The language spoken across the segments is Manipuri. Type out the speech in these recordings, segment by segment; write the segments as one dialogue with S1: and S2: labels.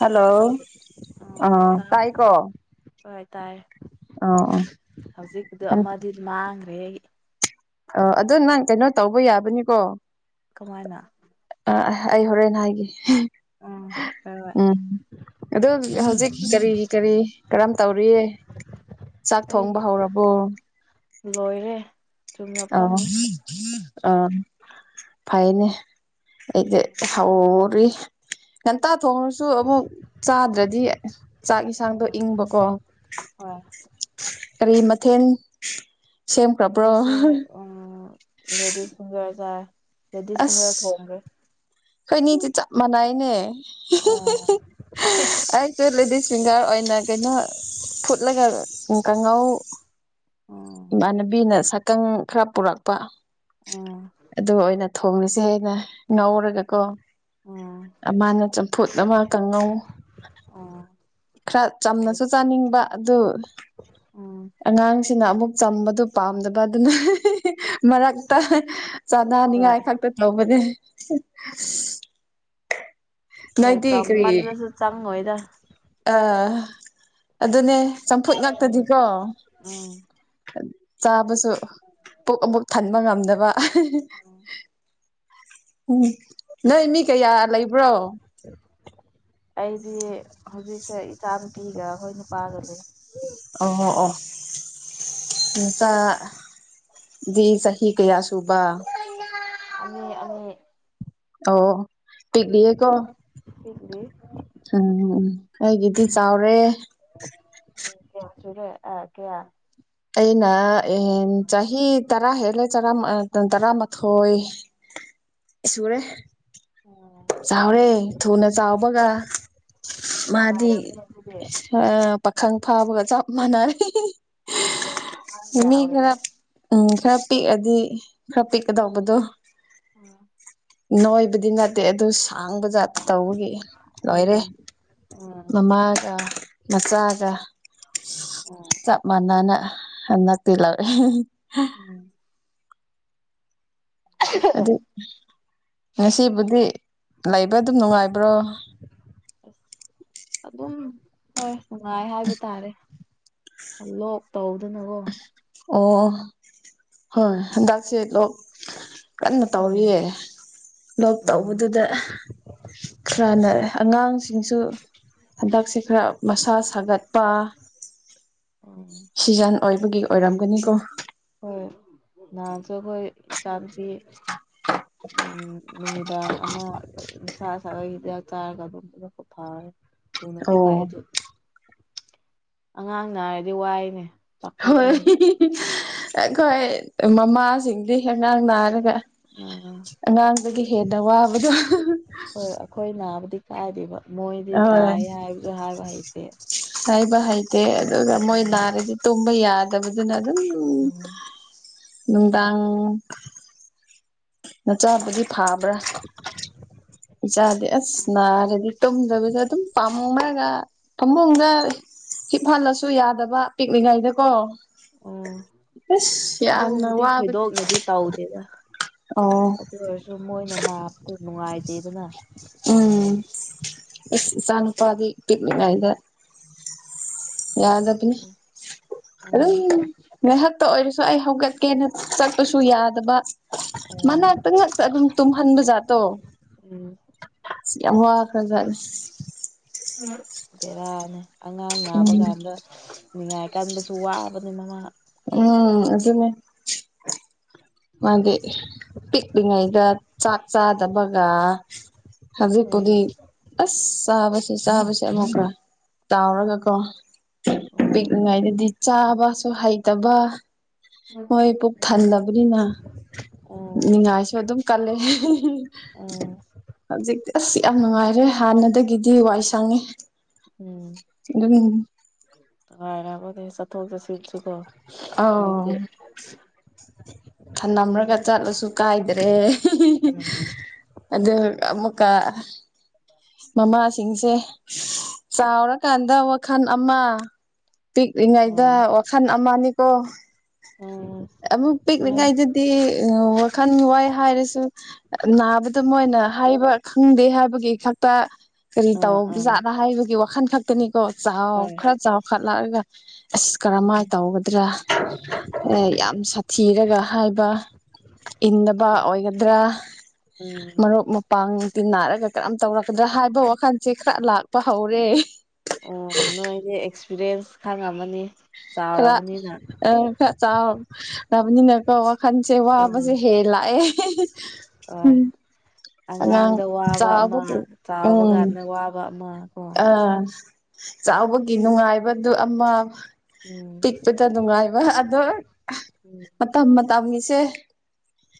S1: ꯍꯜꯂꯣ ꯑꯥ ꯇꯥꯏꯀꯣ
S2: ꯍꫭꯏ ꯇꯥꯏ
S1: ꯑꯥ
S2: ꯍꯧꯖꯤꯛꯗꯣ ꯑꯃꯗꯤ ꯃꯥꯡꯈ꯭ꯔꯦ
S1: ꯑ ꯑꯗꯨꯗꯣ ꯅꯪ ꯀꯩꯅꯣ ꯇꯧꯕ ꯌꯥꯕꯅꯤꯀꯣ
S2: ꯀꯃꯥꯏꯅ
S1: ꯑꯥ ꯑꯩ ꯍꯣꯔꯦꯟꯦꯟ ꯍꯥꯏꯒꯦ
S2: ꯑ
S1: ꯎꯝ ꯑꯗꯨ ꯍꯧꯖꯤꯛ ꯀꯔꯤ ꯀꯔꯤ ꯀꯔꯝ ꯇꯧꯔꯤꯌꯦ ꯆꯥꯛ
S2: ꯑꯩ
S1: ꯊꯣꯡꯕ ꯍꯧꯔꯕꯣ
S2: ꯂꯣꯏꯔꯦ ꯆꯨꯝꯅ
S1: ꯑ
S2: ꯐꯝꯃꯤ
S1: ꯑ ꯐꯥꯏꯅꯦ ꯑꯩꯗ ꯍꯥꯎ ꯎꯔꯤ ꯉꯟꯇꯥ ꯊꯣꯡꯉꯁꯨ ꯑꯃꯨꯛ ꯆꯥꯗ꯭ꯔꯗꯤ ꯆꯥꯛ ꯌꯦꯟꯁꯥꯡꯗꯣ ꯏꯪꯕꯀꯣ
S2: ꯍꯣꯏ
S1: ꯀꯔꯤ ꯃꯊꯦꯜ ꯁꯦꯝ ꯀꯞ꯭ꯔꯣ
S2: ꯑꯩꯈꯣꯏꯁꯦ ꯎꯝ ꯂꯦꯗꯤꯁ ꯐꯒꯔ ꯆ ꯂꯦꯗꯤꯁ
S1: ꯑꯁ
S2: ꯐꯤꯡꯒꯔ ꯊꯣꯡꯒꯦ
S1: ꯑꯩꯈꯣꯏꯅꯤꯗꯤ ꯆꯞ ꯃꯥꯟꯅꯏꯅꯦ
S2: ꯑꯣ
S1: ꯑꯩꯁꯨꯦ ꯂꯦꯗꯤꯁ ꯁꯤꯡꯒꯔ ꯑꯣꯏꯅ ꯀꯩꯅꯣ ꯐꯨꯠꯂꯒ ꯀꯥꯡꯉꯥꯎ
S2: ꯎꯝ ꯎꯝ
S1: ꯏꯃꯥꯟꯅꯕꯤꯅ ꯁꯀꯪ ꯈꯔ ꯄꯨꯔꯛꯄ
S2: ꯎꯝ
S1: ꯑꯗꯨꯒ ꯑꯣꯏꯅ ꯊꯣꯡꯉꯁꯦ ꯍꯦꯛ ꯉꯧꯔꯒꯥꯀꯣ
S2: ꯎꯝ
S1: ꯑꯃꯅ ꯆꯝꯐꯨꯠ ꯑꯃ ꯀꯥꯡꯉꯧ ꯈꯔ ꯆꯝꯅꯁꯨ ꯆꯥꯅꯤꯡꯕ ꯑꯗꯨ
S2: ꯎꯝ
S1: ꯑꯉꯥꯡ ꯁꯤꯅ ꯑꯃꯨꯛ ꯆꯝꯕꯗꯨ ꯄꯥꯝꯗꯕ ꯑꯗꯨꯅ ꯃꯔꯛꯇ
S2: ꯍꯣꯏ
S1: ꯆꯥꯅꯅꯤꯡꯉꯥꯏ ꯈꯛꯇ ꯇꯧꯕꯅꯦ
S2: ꯍꯣꯏ
S1: ꯅꯣꯏꯗꯤ
S2: ꯃꯥꯁ ꯆꯥꯡꯉꯣꯏꯗ
S1: ꯑꯥ ꯑꯗꯨꯅꯦ ꯆꯝꯐꯨꯠ
S2: ꯎꯝ
S1: ꯉꯥꯛꯇꯗꯤꯀꯣ
S2: ꯎꯝ
S1: ꯆꯥꯕꯁꯨ ꯄꯨꯛ ꯑꯃꯨꯛ ꯊ ꯉꯗꯕ ꯎ ꯅꯣꯏ ꯃꯤ ꯀꯌꯥ ꯂꯩ ꯕ꯭ꯔꯣ
S2: ꯑꯩꯗꯤ ꯍꯧꯖꯤꯛꯁꯦ ꯏꯆꯥ ꯅꯨꯨꯄꯤꯒ ꯑꯩꯈꯣꯏ ꯅꯨꯄꯥꯒꯅꯤ
S1: ꯑꯣ ꯑꯣ ꯁꯗꯤ ꯁꯍꯤ ꯀꯌꯥ ꯁꯤꯕꯥ
S2: ꯑꯥ
S1: ꯑꯣ ꯄꯤꯛꯂꯤꯌꯤꯀꯣ
S2: ꯏꯗꯤ
S1: ꯎꯝ ꯎꯝ ꯑꯩꯒꯤꯗꯤ ꯆꯥꯎꯔꯦ
S2: ꯀ ꯁꯔꯦ ꯑ ꯀꯌꯥ
S1: ꯑꯩꯅ ꯆꯥꯍꯤ ꯇꯔꯥ ꯍꯦꯜꯂꯦ ꯇꯔꯥꯃꯥꯊꯣꯏ ꯁꯨꯔꯦ ꯆꯥꯎꯔꯦ ꯊꯨꯅ ꯆꯥꯎꯕꯒ ꯃꯥꯗꯤ
S2: ꯅꯨꯡꯉꯥꯏꯔꯝꯅꯤ ꯑꯗꯨꯗꯤ
S1: ꯑꯥ ꯈꯪ ꯐꯥꯕꯒ ꯆꯞ ꯃꯥꯟꯅꯦ
S2: ꯑꯣ ꯑꯉꯥꯡ ꯀꯌꯥ
S1: ꯃꯤ
S2: ꯑꯣꯏꯔꯦ
S1: ꯈꯔ ꯎꯝ ꯈꯔ ꯄꯤꯛꯑꯗꯤ ꯈꯔ ꯄꯤꯛꯀꯗꯧꯕꯗꯣ
S2: ꯎꯝ
S1: ꯅꯣꯏꯕꯗꯤ ꯅꯠꯇꯦ ꯑꯗꯨ ꯁꯥꯡꯕꯖꯥ ꯇꯧꯕꯒꯤ ꯂꯣꯏꯔꯦ
S2: ꯎꯝ
S1: ꯃꯃꯥꯒ ꯃꯆꯥꯒ
S2: ꯎꯝ
S1: ꯆꯞ ꯃꯅꯥꯅ ꯍꯇꯂꯦ
S2: [inaudible]
S1: ꯑꯗꯨ ꯉꯁꯤꯕꯨꯗꯤ ꯂꯩꯕ ꯑꯗꯨꯝ ꯅꯨꯡꯉꯥꯏꯕ꯭ꯔꯣ
S2: ꯑꯁ ꯑꯗꯨꯝ ꯍꯣꯏ ꯅꯨꯡꯉꯥꯏ ꯍꯥꯏꯕ ꯇꯥꯔꯦ ꯂꯣꯛ ꯇꯧꯗꯅꯀꯣ
S1: ꯑꯣ ꯍꯣꯏ ꯍꯟꯗꯛ ꯁꯦ ꯂꯣꯛ ꯀꯟꯅ
S2: ꯎꯝ
S1: ꯇꯧꯔꯤꯌꯦ ꯂꯣꯛ
S2: ꯎꯝ
S1: ꯇꯧꯕꯗꯨꯗ ꯈꯔꯅꯔꯦ ꯑꯉꯥꯡꯁꯤꯡꯁꯨ ꯍꯟꯗꯛꯁꯦ ꯈꯔ ꯃꯁꯥ ꯁꯥꯒꯠꯄ
S2: ꯑꯣ
S1: ꯁꯤꯖꯟ ꯑꯣꯏꯕꯒꯤ ꯑꯣꯏꯔꯝꯒꯅꯤꯀꯣ
S2: [unintelligible] ꯏꯆꯥꯅꯨꯄꯤ ꯎꯝ ꯅꯨꯃꯤꯗꯥꯡ ꯑꯃ ꯃꯁꯥ ꯍꯤꯗꯥꯛ ꯆꯥꯔꯒ ꯑꯗꯨꯝ ꯐꯋꯦ ꯊꯨꯅꯗꯤ
S1: ꯑꯣ
S2: ꯐꯩ ꯑꯗꯨ ꯑꯉꯥꯡꯅ ꯍꯥꯏꯔꯗꯤ ꯋꯥꯏꯅꯦ
S1: ꯍꯣꯏ
S2: ꯄꯥꯈꯠꯂꯤꯅꯦ
S1: ꯑꯩꯈꯣꯏ ꯃꯃꯥꯁꯤꯡꯗꯤ ꯑꯉꯥꯡ ꯅꯥꯔꯒ
S2: ꯑꯥ
S1: ꯑꯉꯥꯡꯗꯒꯤ ꯍꯦꯟꯅ ꯋꯥꯕꯗꯣ
S2: ꯇꯥꯏꯔꯤꯕ ꯃꯣꯏꯗꯤ
S1: ꯍꯣꯏ
S2: ꯇꯥꯏ ꯍꯥꯏꯕꯁꯨ ꯍꯥꯏꯕ ꯍꯩꯇꯦ
S1: ꯍꯥꯏꯥꯏꯕ ꯍꯩꯇꯦ ꯑꯗꯨꯒ ꯃꯣꯏ ꯂꯅꯥꯔꯗꯤ ꯇꯨꯝꯕ ꯌꯥꯗꯕꯗꯨꯅ ꯑꯗꯨꯝ
S2: ꯎꯝ
S1: ꯅꯨꯡꯗꯥꯡ ꯅꯆꯥꯕꯨꯗꯤ ꯐꯥꯕ꯭ꯔꯥ
S2: [inaudible]
S1: ꯏꯆꯥꯗꯤ ꯑꯁ ꯅꯥꯔꯗꯤ ꯇꯨꯝꯗꯕꯤꯗ ꯑꯗꯨꯝ ꯄꯥꯝꯃꯣ ꯍꯥꯏꯒ ꯇꯨꯝꯃꯣꯝꯒ ꯍꯤꯞꯍꯜꯂꯁꯨ ꯌꯥꯗꯕ ꯄꯤꯛꯅꯤꯉꯥꯏꯗ ꯀꯣ
S2: ꯑꯣ
S1: ꯌꯥꯝꯅ
S2: ꯑꯗꯨꯒꯨꯝꯕꯗꯤ
S1: ꯋꯥꯕꯅꯦ
S2: ꯊꯣꯏꯗꯣꯛꯅꯗꯤ ꯇꯧꯗꯦꯗ
S1: ꯑꯣ
S2: ꯑꯗꯨ ꯑꯣꯏꯔꯁꯨ ꯃꯣꯏꯅ ꯅꯥꯞꯇ ꯠꯇꯗꯅ [inaudible]
S1: ꯎꯝ ꯏꯆꯥꯅꯨꯄꯥꯒꯤ ꯄꯤꯛꯂꯤꯉꯩꯗ ꯌꯥꯗꯕꯅꯦ ꯑꯗꯨꯝ
S2: ꯎꯝ
S1: ꯉꯥꯏꯍꯥꯛꯇ ꯑꯣꯏꯔꯁꯨ ꯑꯩ ꯍꯧꯒꯠꯀꯦꯅ ꯆꯠꯄꯁꯨ ꯌꯥꯗꯕ
S2: ꯑꯣ
S1: ꯃꯅꯥꯛꯇ ꯉꯥꯛꯇꯥ ꯑꯗꯨꯝ ꯇꯨꯝꯍꯟꯕꯖꯥꯠꯇꯣ
S2: ꯎꯝ
S1: ꯌꯥꯝ ꯋꯥꯈꯔꯖꯠꯅꯦ
S2: ꯕꯦꯔꯥꯅꯦ ꯑꯉꯥꯡ ꯅꯥꯕ ꯀꯥꯟꯗ ꯅꯤꯉꯥꯏ ꯀꯟꯕꯁꯨ ꯋꯥꯕꯅꯤꯅꯥ ꯃꯃꯥ
S1: ꯎꯝ ꯑꯗꯨꯅꯦ ꯃꯥꯗꯤ ꯄꯤꯛꯂꯤꯉꯩꯗ ꯆꯥꯛ ꯆꯥꯗꯕꯒ ꯍꯧꯖꯤꯛꯄꯨꯗꯤ
S2: ꯎꯝ
S1: ꯑꯁ ꯆꯥꯕ ꯆꯥꯕꯁꯦ ꯑꯃꯨꯛꯀ ꯆꯥꯎꯔꯒꯀꯣ
S2: ꯎꯝ
S1: ꯄꯤꯛꯅꯤꯉꯥꯏꯗꯗꯤ ꯆꯥꯕꯁꯨ ꯍꯩꯇꯕ ꯃꯣꯏ ꯄꯨꯛ
S2: ꯎꯝ
S1: ꯊꯟꯗꯕꯅꯤꯅ
S2: ꯎꯝ
S1: ꯅꯤꯡꯉꯥꯏꯁꯨ ꯑꯗꯨꯝ ꯀꯜꯂꯦ
S2: ꯎꯝ
S1: ꯍꯧꯖꯤꯛꯇꯤ ꯑꯁ ꯌꯥꯝ ꯅꯨꯡꯉꯥꯏꯔꯦ ꯍꯥꯟꯅꯗꯒꯤꯗꯤ ꯋꯥꯏ ꯁꯪꯉꯤ
S2: ꯎꯝ
S1: ꯑꯗꯨꯝ
S2: ꯆꯥꯎꯔꯕꯨꯗꯤ ꯆꯠꯊꯣꯛ ꯆꯠꯁꯤꯟꯁꯨꯀꯣ
S1: ꯑꯥꯎ
S2: ꯍꯧꯖꯤꯛꯇꯤ
S1: ꯊꯅꯝꯔꯒ ꯆꯠꯂꯁꯨ ꯀꯥꯏꯗ꯭ꯔꯦ
S2: ꯎꯝ
S1: ꯑꯗꯨꯒ ꯑꯃꯨꯛ ꯀꯥ ꯃꯃꯥꯁꯤꯡꯁꯦ ꯆꯥꯎꯔꯀꯥꯟꯗ ꯋꯥꯈꯜ ꯑꯃ ꯄꯤꯛꯂꯤꯉꯩꯗ ꯋꯥꯈꯜ ꯑꯃꯅꯤꯀꯣ
S2: ꯑꯣ
S1: ꯑꯃꯨꯛ ꯄꯤꯛꯅꯤꯛꯉꯥꯏꯗꯗꯤ ꯋꯥꯈꯜ ꯋꯥꯏ ꯍꯥꯏꯔꯁꯨ ꯅꯥꯕꯗ ꯃꯣꯏꯅ ꯍꯥꯏꯕ ꯈꯪꯗꯦ ꯍꯥꯏꯕꯒꯤ ꯈꯛꯇ ꯀꯔꯤ
S2: ꯑꯥ
S1: ꯇꯧꯕ
S2: ꯑꯥ
S1: ꯖꯥꯠꯅ ꯍꯥꯏꯕꯒꯤ ꯋꯥꯈꯟ ꯈꯛꯇꯅꯤꯀꯣ ꯆꯥꯎ
S2: ꯍꯣꯏ
S1: ꯈꯔ ꯆꯥꯎꯈꯠꯂꯛꯑꯒ ꯑꯁ ꯀꯔꯝꯍꯥꯏꯅ
S2: ꯎꯝ
S1: ꯇꯧꯒꯗ꯭ꯔꯥ
S2: ꯍꯣꯏ
S1: ꯌꯥꯝ ꯁꯥꯊꯤꯔꯒ ꯍꯥꯏꯕ ꯏꯗꯕ ꯑꯣꯏꯒꯗ꯭ꯔꯥ
S2: ꯎꯝ
S1: ꯃꯔꯨꯞ ꯃꯄꯥꯡ ꯅꯥꯔꯒ ꯀꯔꯝ ꯇꯧꯔꯛꯀꯗ꯭ꯔꯥ ꯍꯥꯏꯕ ꯋꯥꯈꯜꯁꯦ ꯈꯔ ꯂꯥꯛꯄ ꯍꯧꯔꯦ
S2: ꯑꯣ ꯅꯣꯏꯗꯤ ꯑꯦꯛꯁꯄꯤꯔꯤꯌꯦꯟꯁ ꯈꯪꯉꯥꯝꯃꯅꯤ
S1: ꯈꯔ ꯈꯔ ꯆꯥꯎꯕꯅꯤꯅ ꯀꯣ ꯋꯥꯈꯟꯁꯦ
S2: ꯎꯝ
S1: ꯋꯥꯕꯁꯦ ꯍꯦ ꯂꯥꯛꯑꯦ
S2: ꯍꯣꯏ
S1: ꯎꯝ ꯑꯉꯥꯡ
S2: ꯑꯉꯥꯡꯗ ꯋꯥꯕ ꯑꯃ
S1: ꯆꯥꯎꯕꯒꯤ ꯎꯝ
S2: ꯆꯥꯎꯕꯀꯥꯟꯗ ꯋꯥꯕ ꯑꯃ ꯀꯣ
S1: ꯑꯥ ꯆꯥꯎꯕꯒꯤ ꯅꯨꯡꯉꯥꯏꯕꯗꯨ ꯑꯃ
S2: ꯎꯝ
S1: ꯄꯤꯛꯄꯗ ꯅꯨꯡꯉꯥꯏꯕ ꯑꯗꯣ
S2: ꯎꯝ
S1: ꯃꯇꯝ ꯃꯇꯝꯒꯤꯁꯦ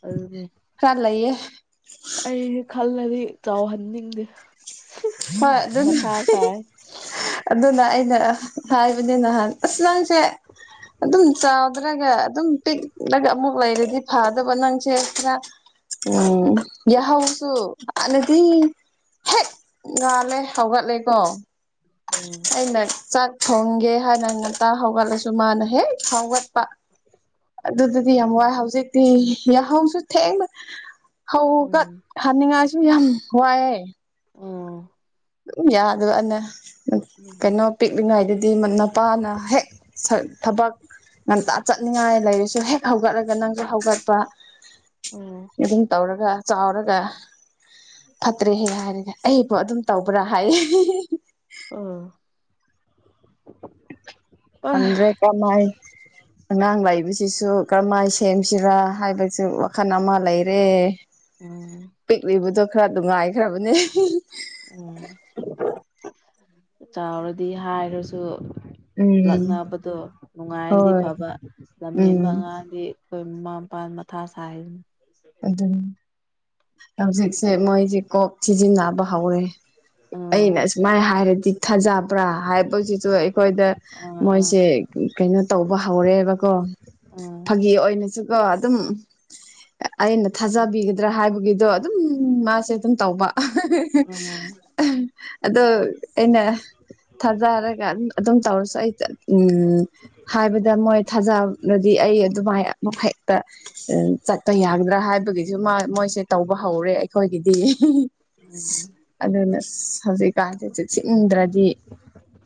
S2: ꯑꯗꯨꯅꯦ
S1: ꯈꯔꯥ ꯂꯩꯌꯦ
S2: ꯑꯩ ꯈꯜꯂꯗꯤ ꯆꯥꯎꯍꯟꯅꯤꯡꯗꯦ
S1: ꯍꯣꯏ ꯑꯗꯨꯅꯦ
S2: ꯃꯊꯥ ꯁꯥꯏ
S1: ꯑꯗꯨꯅ ꯑꯩꯅ ꯍꯥꯏꯕꯅꯦ ꯅꯍꯥꯟ ꯑꯁ ꯅꯪꯁꯦ ꯑꯗꯨꯝ ꯆꯥꯎꯗ꯭ꯔꯒ ꯑꯗꯨꯝ ꯄꯤꯛꯂꯒ ꯑꯃꯨꯛ ꯂꯩꯔꯗꯤ ꯐꯗꯕ ꯅꯪꯁꯦ ꯈꯔ ꯎꯝ ꯌꯥ ꯍꯧꯁꯨ ꯍꯥꯟꯅꯗꯤ ꯍꯦ ꯉꯥꯜꯂꯦ ꯍꯧꯒꯠꯂꯦꯀꯣ
S2: ꯎꯝ
S1: ꯑꯩꯅ ꯆꯥꯛ ꯊꯣꯡꯒꯦ ꯍꯥꯏꯅ ꯉꯥꯛꯇ ꯍꯧꯒꯠꯂꯁꯨ ꯃꯥꯅ ꯍꯦꯛ ꯍꯧꯒꯠꯄ
S2: ꯎꯝ
S1: ꯑꯗꯨꯗꯗꯤ ꯌꯥꯝ ꯋꯥꯏ ꯍꯧꯖꯤꯛꯇꯤ ꯌꯥꯍꯧꯁꯨ ꯊꯦꯡꯌꯦ ꯍꯧꯀꯥꯠ
S2: ꯎꯝ
S1: ꯍꯥꯜꯅꯤꯡꯉꯥꯏꯁꯨ ꯌꯥꯝ ꯋꯥꯏꯑꯦ
S2: ꯎꯝ
S1: ꯎ ꯌꯥꯗ ꯑꯅ ꯀꯩꯅꯣ ꯄꯤꯛꯂꯤꯉꯩ ꯍꯥꯏꯗꯨꯗꯤ ꯃꯄꯥꯅ ꯍꯦꯛ ꯊꯕꯛ ꯉꯟꯇꯥ ꯆꯠꯅꯤꯡꯉꯥꯏ ꯂꯩꯔꯤꯁꯨ ꯍꯦꯛ ꯍꯧꯒꯠꯂꯒ ꯅꯪꯁꯨ ꯍꯧꯒꯠꯄ
S2: ꯎꯝ
S1: ꯑꯗꯨꯝ ꯇꯧꯔꯒ ꯆꯥꯎꯔꯒ ꯐꯠꯇ꯭ꯔꯦꯍꯦ ꯍꯥꯏꯔꯒ ꯑꯩꯕꯨ ꯑꯗꯨꯝ ꯇꯧꯕ꯭ꯔꯥ ꯍꯥꯏ
S2: ꯑꯥ
S1: ꯈꯪꯗ꯭ꯔꯦ ꯀꯃꯥꯏ ꯑꯉꯥꯡ ꯂꯩꯥꯏꯕꯤ ꯁꯤꯁꯨ ꯀꯔꯝꯍꯥꯏ ꯁꯦꯝꯁꯤꯔ ꯍꯥꯏꯕꯁꯨ ꯋꯥꯈꯜ ꯑꯃ ꯂꯩꯔꯦ
S2: ꯎꯝ
S1: ꯄꯤꯛꯂꯤꯕꯗꯣ ꯈꯔ ꯅꯨꯡꯉꯥꯏꯈ꯭ꯔꯕꯅꯦ
S2: ꯎꯝ ꯆꯥꯎꯔꯗꯤ ꯍꯥꯏꯔꯁꯨ
S1: ꯎꯝ
S2: ꯂꯛꯅꯕꯗꯣ ꯅꯨꯡꯉꯥꯏꯔꯗꯤ
S1: ꯍꯣꯏ
S2: ꯐꯕ
S1: ꯎꯝ
S2: ꯂꯝꯍꯦꯟꯕꯉꯥꯡꯗꯤ ꯑꯩꯈꯣꯏ ꯃꯃꯥ ꯃꯄꯥ ꯃꯊꯥ ꯁꯥꯏꯗꯅ
S1: ꯑꯗꯨ ꯍꯧꯖꯤꯛꯁꯦ ꯃꯣꯏꯁꯦ ꯀꯣꯛ ꯊꯤꯖꯤꯟꯅꯕ ꯍꯧꯔꯦ
S2: ꯑꯥ
S1: ꯑꯩꯅ ꯁꯨꯃꯥꯏꯅ ꯍꯥꯏꯔꯗꯤ ꯊꯥꯖꯕ꯭ꯔꯥ ꯍꯥꯏꯕꯁꯤꯁꯨ ꯑꯩꯈꯣꯏꯗ
S2: ꯑꯥ
S1: ꯃꯣꯏꯁꯦ ꯀꯩꯅꯣ ꯇꯧꯕ ꯍꯧꯔꯦꯕꯀꯣ
S2: ꯑꯥ
S1: ꯐꯥꯒꯤ ꯑꯣꯏꯅꯁꯨꯀꯣ ꯑꯗꯨꯝ ꯑꯩꯅ ꯊꯥꯖꯕꯤꯒꯗ꯭ꯔꯥ ꯍꯥꯏꯕꯒꯤꯗꯣ ꯑꯗꯨꯝ ꯃꯥꯁꯦ ꯑꯗꯨꯝ ꯇꯧꯕ
S2: ꯑꯥ
S1: ꯑꯗꯣ ꯑꯦꯟꯅ ꯊꯥꯖꯔꯒ ꯑꯗꯨꯝ ꯇꯧꯔꯁꯨ ꯑꯩ ꯎꯝ ꯍꯥꯏꯕꯗ ꯃꯣꯏ ꯊꯥꯖꯔꯗꯤ ꯑꯩ ꯑꯗꯨꯃꯥꯏ ꯃꯈꯩ ꯆꯠꯄ ꯌꯥꯒꯗ꯭ꯔꯥ ꯍꯥꯏꯕꯒꯤꯁꯨ ꯃꯣꯏꯁꯦ ꯇꯧꯕ ꯍꯧꯔꯦ ꯑꯩꯈꯣꯏꯒꯤꯗꯤ
S2: ꯎꯝ
S1: ꯑꯗꯨꯅ ꯍꯧꯖꯤꯛꯀꯥꯟꯁꯤꯁꯨ ꯆꯤꯅꯤꯡꯗ꯭ꯔꯗꯤ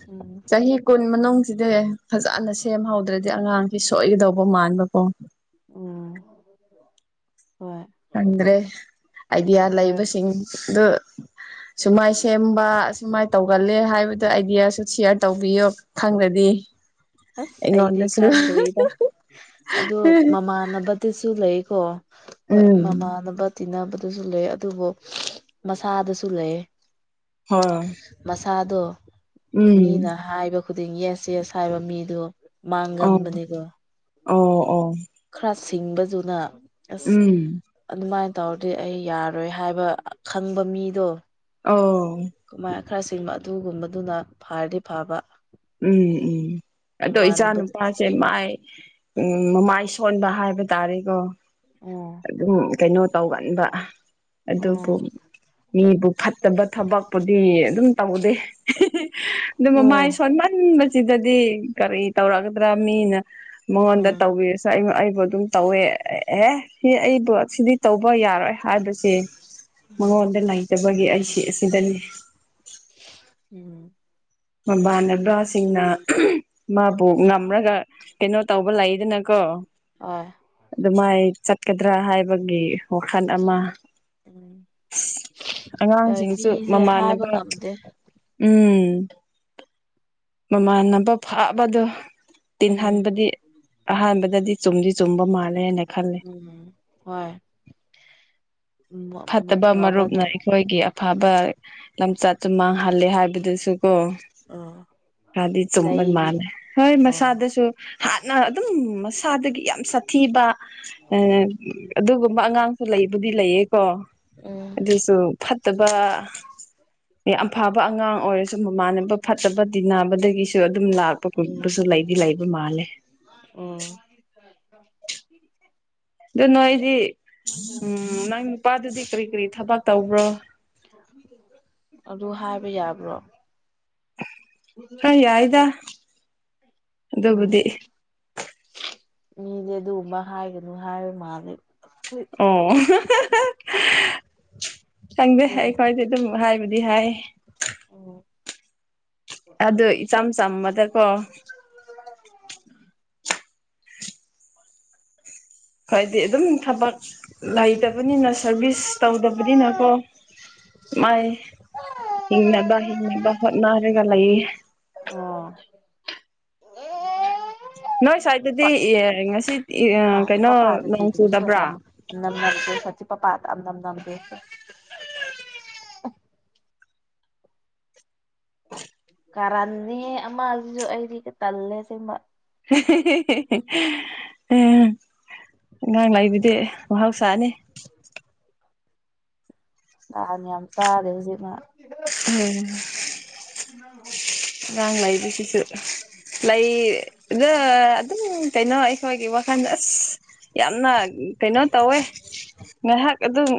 S2: ꯎꯝ ꯎꯝ
S1: ꯆꯍꯤꯍꯤ ꯀꯅ ꯃꯅꯨꯡꯁꯤꯗꯤ ꯐꯖꯅ ꯁꯦꯝꯍꯧꯗ꯭ꯔꯗꯤ ꯑꯉꯥꯡꯁꯤ ꯁꯣꯏꯒꯗꯧꯕ ꯃꯥꯟꯕꯀꯣ
S2: ꯎꯝ ꯍꯣꯏ
S1: ꯈꯪꯗ꯭ꯔꯦ ꯑꯥꯏꯗꯤꯌꯥ
S2: ꯍꯣꯏ
S1: ꯂꯩꯕꯁꯤꯡꯗꯨ ꯁꯨꯃꯥꯏ ꯁꯦꯝꯕ ꯑꯨꯃꯥꯏꯅ ꯇꯧꯒꯜꯂꯦ ꯍꯥꯏꯕꯗꯨ ꯑꯥꯏꯗꯤꯌꯥꯁꯨ ꯁꯤꯌꯥꯔ ꯇꯧꯕꯤꯌꯣ ꯈꯪꯗꯗꯤ
S2: ꯑꯁ ꯑꯩꯗꯤ ꯈꯥꯡꯗꯣꯔꯤꯗ ꯑꯗꯨ ꯃꯃꯥꯟꯅꯕꯗꯨꯁꯨ ꯂꯩꯀꯣ ꯍꯣꯏ
S1: ꯎꯝ
S2: ꯃꯃꯅꯅꯕ ꯇꯤꯟꯅꯕꯗꯁꯨ ꯂꯩ ꯑꯗꯨꯕꯨ ꯃꯁꯥꯗꯁꯨ ꯂꯩ
S1: ꯍ
S2: ꯑꯗꯣ ꯃꯤꯅ ꯍꯥꯏꯕ ꯈꯨꯗꯤꯡ ꯌꯦꯁ ꯌꯦꯁ ꯍꯥꯏꯕ ꯃꯤꯗꯣ ꯃꯥꯡꯒꯟ
S1: ꯑꯣ
S2: ꯃꯅꯤꯒꯣ
S1: [unintelligible]
S2: ꯈꯔ ꯁꯤꯡꯕꯗꯨꯅ ꯑꯁ
S1: ꯎꯝ
S2: ꯑꯗꯨꯃꯥꯏꯅ ꯇꯧꯔꯗꯤ ꯑꯩ ꯌꯥꯔꯣꯏ ꯍꯥꯏꯕ ꯈꯪꯕ ꯃꯤꯗꯣ
S1: ꯑꯣ
S2: ꯀꯃꯥꯏ ꯈꯔ ꯁꯤꯡꯕ ꯑꯗꯨꯒꯨꯝꯕꯗꯨꯅ ꯐꯔꯗꯤ ꯐꯕ
S1: ꯎꯝ ꯎꯝ ꯑꯗꯣ ꯏꯆꯥ
S2: ꯃꯃꯥꯟꯅꯕꯗ
S1: ꯅꯨꯨꯄꯥꯁꯦ ꯃꯥꯏ ꯎꯝ ꯃꯃꯥꯏ ꯁꯣꯟꯕ ꯍꯥꯏꯕ ꯇꯥꯔꯦꯀꯣ
S2: ꯑꯣ
S1: ꯑꯗꯨꯝ ꯀꯩꯅꯣ ꯇꯧꯒꯟꯕ ꯑꯗꯨꯕꯨ
S2: ꯑꯣ
S1: ꯃꯤꯕꯨ ꯐꯠꯇꯕ ꯊꯕꯛꯄꯨꯗꯤ ꯑꯗꯨꯝ ꯇꯧꯗꯦ ꯑꯗꯨ
S2: ꯑꯣ
S1: ꯃꯃꯥꯏ ꯈꯟꯕꯁꯤꯗꯗꯤ ꯀꯔꯤ ꯇꯧꯔꯛꯒꯗ꯭ꯔꯥ ꯃꯤꯅ ꯃꯉꯣꯟꯗ
S2: ꯎꯝ
S1: ꯇꯧꯕꯤꯔꯁꯨ ꯑꯗꯨꯝ ꯇꯧꯋꯦ ꯑꯦ ꯁꯤ ꯑꯩꯕꯨ ꯁꯤꯗꯤ ꯇꯧꯕ ꯌꯥꯔꯣꯏ ꯍꯥꯏꯕꯁꯦ
S2: ꯎꯝ
S1: ꯃꯉꯣꯟꯗ ꯂꯩꯇꯕꯒꯤ ꯑꯩ ꯁꯤ ꯑꯁꯤꯗꯅꯤ
S2: ꯎꯝ
S1: ꯃꯕꯥ ꯅ ꯕ꯭ꯔꯥꯁꯤꯡꯅ ꯃꯥꯕꯨ ꯉꯝꯔꯒ ꯀꯩꯅꯣ ꯇꯧꯕ ꯂꯩꯗꯅꯀꯣ
S2: ꯑ
S1: ꯑꯗꯨꯃꯥꯏ ꯆꯠꯀꯗ꯭ꯔꯥ ꯍꯥꯏꯕꯒꯤ ꯋꯥꯈꯜ ꯑꯃ
S2: ꯎꯝ ꯍꯣꯏ
S1: ꯑꯉꯥꯡꯁꯤꯡꯁꯨ
S2: ꯃꯤꯁꯦ ꯍꯥꯏꯕ
S1: ꯃꯃꯥꯟꯅꯕ
S2: ꯉꯝꯗꯦ
S1: ꯎꯝ ꯃꯃꯥꯟꯅꯕ ꯐꯥꯕꯗꯣ
S2: ꯎꯝ
S1: ꯇꯤꯟꯍꯟꯕꯗꯤ ꯑꯍꯥꯟꯕꯗꯗꯤ ꯆꯨꯝꯗꯤ ꯆꯨꯝꯕ ꯃꯥꯜꯂꯦꯅ ꯈꯜꯂꯦ
S2: ꯎꯝ ꯍꯣꯏ
S1: ꯐꯠꯇꯕ
S2: ꯐꯕꯅ
S1: ꯃꯔꯨꯞꯅ ꯑꯩꯈꯣꯏꯒꯤ ꯑꯐꯕ ꯂꯝꯆꯠꯁꯨ ꯃꯥꯡꯍꯂꯦ ꯍꯥꯏꯕꯗꯨꯁꯨ ꯀ
S2: ꯑ
S1: ꯍꯥꯏꯗꯤ ꯆꯨꯝꯕ
S2: ꯂꯩ
S1: ꯃꯥꯜꯂꯦ ꯍꯣꯏ
S2: ꯑꯣ
S1: ꯃꯁꯥꯗꯁꯨ ꯍꯥꯟꯅ ꯑꯗꯨꯝ ꯃꯁꯥꯗꯒꯤ ꯌꯥꯝ ꯁꯥꯊꯤꯕ ꯑꯗꯨꯒꯨꯝꯕ ꯑꯉꯥꯡꯁꯨ ꯂꯩꯕꯨꯗꯤ ꯂꯩꯌꯦ
S2: ꯎꯝ
S1: ꯑꯗꯨꯁꯨ ꯐꯠꯇꯕ ꯌꯥꯝ ꯐꯕ ꯑꯉꯥꯡ ꯑꯣꯏꯔꯁꯨ ꯁꯨꯝ ꯃꯃꯥꯟꯅꯕ ꯐꯠꯇꯕ ꯇꯤꯟꯅꯕꯗꯒꯤꯁꯨ ꯑꯗꯨꯝ ꯂꯥꯛꯄ ꯈꯣꯠꯄꯁꯨ ꯂꯩꯗꯤ ꯂꯩꯕ ꯃꯥꯜꯂꯦ
S2: ꯑꯣ
S1: ꯑꯗꯨ ꯅꯣ ꯑꯩꯗꯤ ꯎꯝ ꯅꯪ ꯅꯨꯄꯥꯗꯨꯗꯤ ꯀꯔꯤ ꯀꯔꯤ ꯊꯕꯛ ꯇꯧꯕ꯭ꯔꯣ
S2: ꯑꯗꯨ ꯍꯥꯏꯕ ꯌꯥꯕ꯭ꯔꯣ
S1: ꯑ ꯌꯥꯏꯗ ꯑꯗꯨꯕꯨꯗꯤ
S2: ꯃꯤꯅꯦ ꯑꯗꯨꯒꯨꯝꯕ ꯍꯥꯏꯒꯅꯨ ꯍꯥꯏꯕ ꯃꯥꯜꯂꯦ ꯑꯩꯈꯣꯏ
S1: ꯑꯣ ꯆꯪꯗꯦ ꯍꯥꯏ
S2: ꯑꯗꯨꯒꯤ
S1: ꯈꯔꯗꯤ ꯑꯗꯨꯝ ꯍꯥꯏꯕꯨꯗꯤ ꯍꯥꯏ
S2: ꯑꯣ
S1: ꯑꯗꯨ ꯏꯆꯝ ꯆꯝꯕꯗꯀꯣ ꯍꯥꯏꯣꯏꯗꯤ ꯑꯗꯨꯝ ꯊꯕꯛ ꯂꯩꯇꯕꯅꯤꯅ ꯁꯔꯚꯤꯁ ꯇꯧꯗꯕꯅꯤꯅꯀꯣ ꯃꯥꯏ ꯏꯅꯦꯕ ꯍꯕ ꯍꯣꯠꯅꯔꯒ ꯂꯩꯏꯌꯦ
S2: ꯑꯣ
S1: ꯅꯣꯏ ꯁ꯭ꯋꯥꯏꯗꯗꯤ
S2: ꯄꯥ
S1: ꯉꯁꯤ
S2: ꯄꯄꯥꯗ
S1: ꯀꯩꯅꯣ ꯅꯣꯡ ꯆꯨꯗꯕ꯭ꯔꯥ
S2: ꯅꯗꯖꯤ ꯄꯄꯥꯥ ꯑꯗꯝ ꯅ ꯑꯃꯗꯦ
S1: [unintelligible]
S2: ꯀꯥꯔꯅꯦ ꯑꯃꯁꯤꯁꯨ ꯑꯩꯗꯤ ꯇꯜꯂꯦ ꯁꯤꯕ
S1: ꯎꯝ ꯑꯉꯥꯡ ꯂꯥꯛꯏꯕꯗꯤ ꯃꯍꯥꯎꯁꯥꯅꯤ
S2: ꯂꯥꯟꯅꯤ ꯌꯥꯝ ꯆꯥꯔꯦ ꯍꯧꯖꯤꯛꯃ
S1: ꯎꯝ ꯔꯥꯡ ꯂꯩꯥꯏꯗꯤꯁꯤꯁꯨ ꯂꯩ ꯑꯗꯨꯝ ꯀꯩꯅꯣ ꯑꯩꯈꯣꯏꯒꯤ ꯋꯥ ꯑꯁ ꯌꯥꯝꯅ ꯀꯩꯅꯣ ꯇꯧꯋꯦ ꯉꯥꯏꯍꯥꯛ ꯑꯗꯨꯝ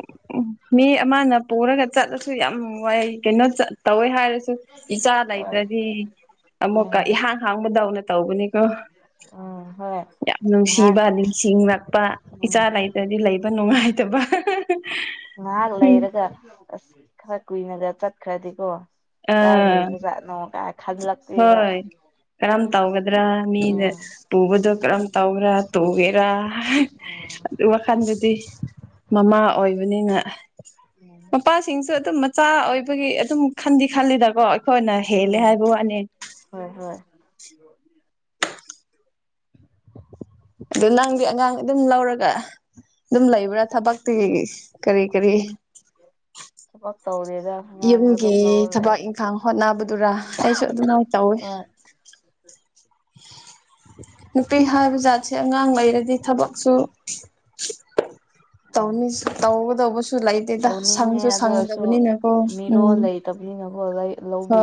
S1: ꯃꯤ ꯑꯃꯅ ꯄꯨꯔꯒ ꯆꯠꯂ ꯁꯨ ꯌꯥꯝꯅꯨꯡ ꯋꯥꯏ ꯀꯩꯅꯣ ꯇꯧꯋꯦ ꯍꯥꯏꯔꯁꯨ ꯏꯆꯥ ꯂꯩ
S2: ꯍꯣꯏ
S1: ꯑꯃꯨꯛꯀ
S2: ꯎꯝ
S1: ꯏꯍꯥꯡ ꯍꯥꯡꯕꯗꯧꯅ ꯇꯧꯕꯅꯤꯀꯣ
S2: ꯎꯝ ꯍꯣꯏ
S1: ꯌꯥꯝ
S2: ꯉꯥꯏꯍꯥꯛ
S1: ꯅꯨꯡꯁꯤꯕ ꯅꯤꯡꯁꯤꯡꯉꯛꯄ ꯏꯆꯥ
S2: ꯎꯝ
S1: ꯂꯩꯇꯗꯤ ꯂꯩꯕ ꯅꯨꯡꯉꯥꯏꯇꯕ
S2: ꯉꯥꯏꯍꯥꯛ ꯂꯩꯔꯒ ꯑꯁ ꯈꯔ ꯀꯨꯏꯅꯒ ꯆꯠꯈ꯭ꯔꯗꯤꯀꯣ ꯀꯥꯏ
S1: ꯑꯥ
S2: ꯂꯩꯕꯖꯥꯠꯅꯣ ꯀꯥꯏ ꯈꯖꯤꯂꯛꯇꯕ
S1: ꯍꯣꯏ ꯀꯔꯝ ꯇꯧꯒꯗ꯭ꯔꯥ ꯃꯤꯅ ꯄꯨꯕꯗꯣ ꯀꯔꯝ ꯇꯧꯔꯥ ꯇꯨꯒꯦꯔꯥ
S2: ꯎꯝ
S1: ꯑꯗꯨ ꯋꯥꯈꯜꯗꯗꯤ ꯃꯃꯥ ꯑꯣꯏꯕꯅꯤꯅ
S2: ꯎꯝ
S1: ꯃꯄꯥꯁꯤꯡꯁꯨ ꯑꯗꯨꯝ ꯃꯆꯥ ꯑꯣꯏꯕꯒꯤ ꯑꯗꯨꯝ ꯈꯟꯗꯤ ꯈꯜꯂꯤꯗꯀꯣ ꯑꯩꯈꯣꯏꯅ ꯍꯦꯜꯂꯦ
S2: ꯎꯝ
S1: ꯍꯥꯏꯕ ꯋꯥꯅꯤ
S2: ꯍꯣꯏ [unintelligible]
S1: ꯑꯗꯨ ꯅꯪꯗꯤ ꯑꯉꯥꯡ ꯑꯗꯨꯝ ꯂꯧꯔꯒ ꯑꯗꯨꯝ ꯂꯩꯕ꯭ꯔꯥ ꯊꯕꯛꯇꯨꯒꯤ ꯀꯔꯤ ꯀꯔꯤ
S2: ꯇꯧꯅꯤꯗ ꯑꯗꯨꯂꯦ
S1: ꯑꯗꯨꯔ ꯑꯩꯁꯨ ꯑꯗꯨꯝꯃ ꯇꯧꯋꯤ
S2: ꯍꯣꯏ
S1: ꯅꯨꯄꯤ ꯍꯥꯏꯕ ꯖꯥꯠꯁꯦ ꯑꯉꯥꯡ ꯂꯩꯔꯗꯤ ꯊꯕꯛꯁꯨ ꯇꯧꯅꯤ ꯇꯗ ꯁꯨ ꯂꯩꯥꯏ ꯇꯦ ꯇ
S2: ꯇꯧꯅꯤꯡꯉꯦ
S1: ꯁꯪꯁꯨ
S2: ꯑꯗꯨ ꯑꯣꯏꯔꯁꯨ
S1: ꯁꯪꯗꯅꯤ ꯅꯀꯣ ꯎꯝ
S2: ꯃꯤꯔꯣꯜ ꯂꯩꯇꯕꯅꯤꯅꯀꯣ ꯂꯧꯕꯤ
S1: ꯍꯣꯏ